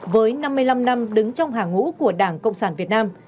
với năm mươi năm năm đứng trong hàng ngũ của đảng cộng sản việt nam